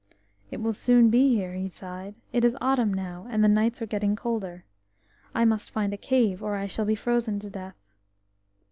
"It will soon be here," he sighed. "It is autumn now, and the nights are getting colder. I must find a cave, or I shall be frozen to death."